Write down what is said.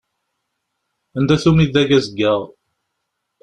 Anda-t umidag azeggaɣ?